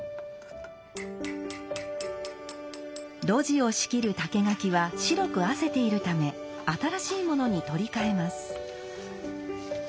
露地を仕切る竹垣は白くあせているため新しいものに取り替えます。